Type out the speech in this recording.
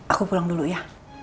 aku pulang dulu ya